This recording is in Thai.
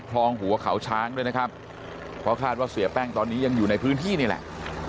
คลองหัวเขาช้างด้วยนะครับเพราะคาดว่าเสียแป้งตอนนี้ยังอยู่ในพื้นที่นี่แหละ